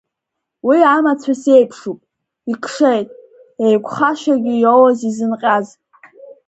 Уи амацәыс еиԥшуп, иқшеит, еиқәхашьагьы иоуам изынҟьаз!